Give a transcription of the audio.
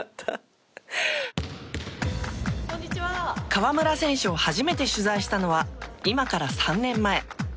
河村選手を初めて取材したのは今から３年前。